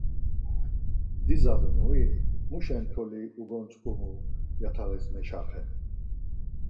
Dizabunui muşen toli ugontzǩumu yatağiz meşaxen?